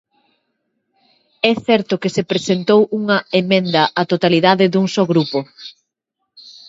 É certo que se presentou unha emenda á totalidade dun só grupo.